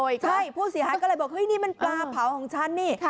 ใช่ผู้เสียหายก็เลยบอกเฮ้ยนี่มันปลาเผาของฉันนี่